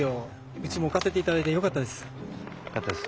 うちも置かせて頂いてよかったです。